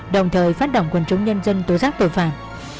đồng thời phát động quần chúng nhân dân tố giác tội phạm